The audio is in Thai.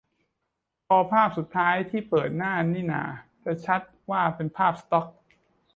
พอภาพสุดท้ายที่เปิดหน้านี่น่าจะชัดว่าเป็นภาพสต็อก